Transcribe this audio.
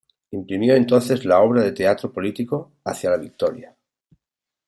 Imprimió entonces la obra de teatro político "¡Hacia la victoria!